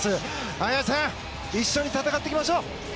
綾さん一緒に戦っていきましょう！